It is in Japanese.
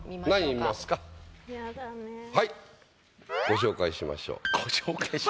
「ご紹介しましょう」。